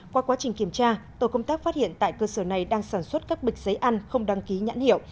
qua quá trình kiểm tra tổ công tác phát hiện tại cơ sở này đang sản xuất các bịch giấy ăn không đăng ký nhãn hiệu